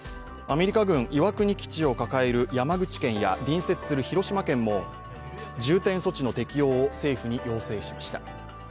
アメリカ軍・岩国基地を抱える山口県や隣接する広島県も重点措置の適用を政府に要請しました。